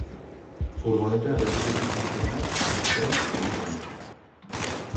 Furgoneta errepidetik irten da atzerantz egitean.